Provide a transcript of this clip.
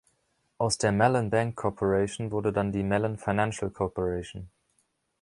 Aus der Mellon Bank Corporation wurde dann die Mellon Financial Corporation.